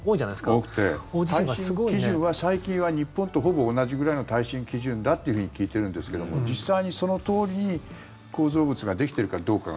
多くて、耐震基準は最近は日本とほぼ同じぐらいの耐震基準だというふうに聞いてるんですけども実際にそのとおりに構造物ができてるかどうかが。